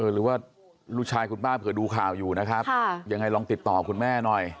หรือว่าลูกชายคุณป้าเผื่อดูข่าวอยู่นะครับยังไงลองติดต่อคุณแม่หน่อย